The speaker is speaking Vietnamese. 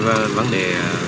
trong cái vấn đề